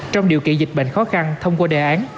trong điều kiện dịch bệnh khó khăn thông qua đề án